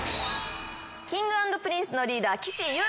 Ｋｉｎｇ＆Ｐｒｉｎｃｅのリーダー岸優太さんです。